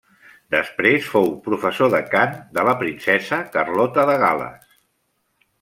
Després fou professor de cant de la princesa Carlota de Gal·les.